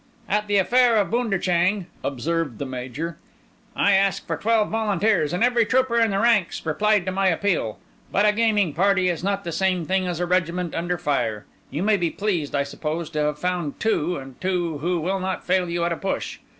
"At the affair of Bunderchang," observed the Major, "I asked for twelve volunteers, and every trooper in the ranks replied to my appeal. But a gaming party is not the same thing as a regiment under fire. You may be pleased, I suppose, to have found two, and two who will not fail you at a push.